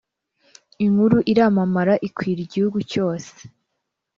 inkuru iramamara ikwira igihugu cyose,